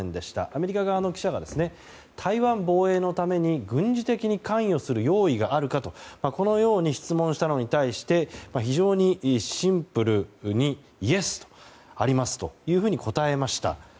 アメリカ側の記者が台湾防衛のために軍事的に関与する用意があるかとこのように質問したのに対して非常にシンプルにイエス、ありますと答えました。